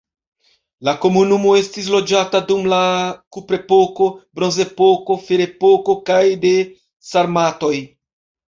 La komunumo estis loĝata dum la kuprepoko, bronzepoko, ferepoko kaj de sarmatoj.